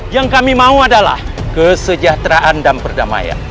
yang kami mau adalah kesejahteraan dan perdamaian